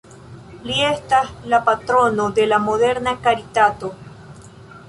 Li estas la patrono de moderna karitato.